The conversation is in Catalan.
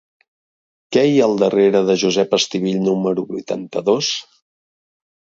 Què hi ha al carrer de Josep Estivill número vuitanta-dos?